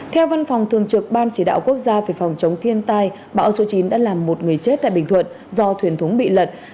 theo văn phòng thường trực ban chỉ đạo quốc gia về phòng chống thiên tai bão số chín đã làm một người chết tại bình thuận do thuyền thúng bị lật